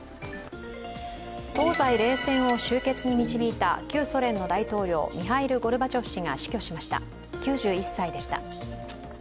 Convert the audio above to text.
東西冷戦を終結に導いた旧ソ連の大統領、ミハイル・ゴルバチョフ氏が死去しました、９１歳でした。